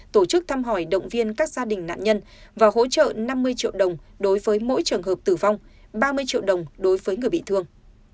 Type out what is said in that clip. tổ chức thăm hỏi động viên các gia đình nạn nhân và hỗ trợ năm mươi triệu đồng đối với mỗi trường hợp tử vong ba mươi triệu đồng đối với người bị thương